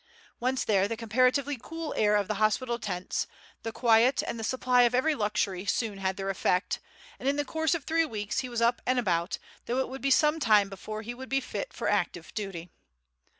Once there the comparatively cool air of the hospital tents, the quiet, and the supply of every luxury soon had their effect, and in the course of three weeks he was up and about, though it would be some time before he would be fit for active duty.